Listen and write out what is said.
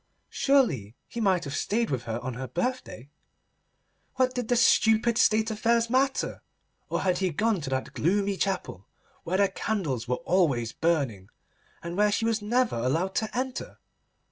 Surely he might have stayed with her on her birthday. What did the stupid State affairs matter? Or had he gone to that gloomy chapel, where the candles were always burning, and where she was never allowed to enter?